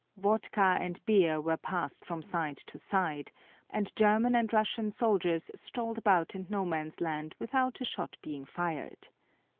Vodka and beer were passed from side to side, and German and Russian soldiers strolled about in No Man's Land without a shot being fired.